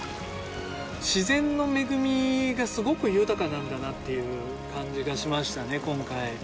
自然の恵みが、すごく豊かなんだなっていう感じがしましたね、今回。